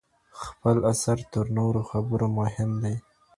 خپله اثر تر نورو خبرو مهم دئ.